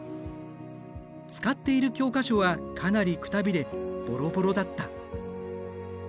使っている教科書はかなりくたびれぼろぼろだった。